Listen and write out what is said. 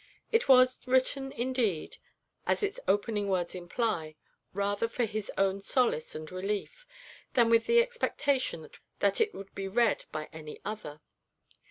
It was written indeed, as its opening words imply, rather for his own solace and relief than with the expectation that it would be read by any other.